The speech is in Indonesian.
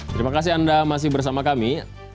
terima kasih anda masih bersama kami